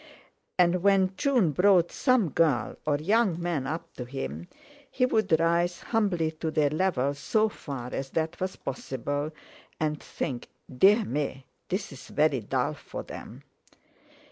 And when June brought some girl or young man up to him, he would rise humbly to their level so far as that was possible, and think: 'Dear me! This is very dull for them!'